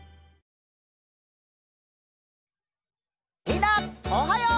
みんなおはよう！